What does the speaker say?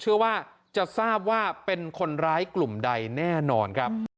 เชื่อว่าจะทราบว่าเป็นคนร้ายกลุ่มใดแน่นอนครับ